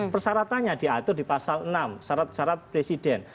persyaratannya diatur di pasal enam syarat syarat presiden